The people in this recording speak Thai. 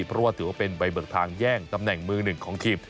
เพราะว่าถือว่าเป็นใบเบิกทางแย่งตำแหน่งมือหนึ่งของทีม